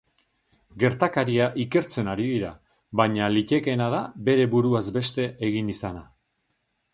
Gertakaria ikertzen ari dira, baina litekeena da bere buruaz beste egin izana.